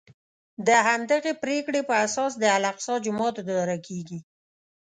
د همدغې پرېکړې په اساس د الاقصی جومات اداره کېږي.